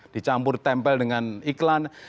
dicampur tempel dengan iklan